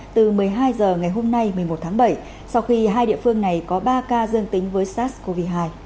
từ một mươi hai h ngày hôm nay một mươi một tháng bảy sau khi hai địa phương này có ba ca dương tính với sars cov hai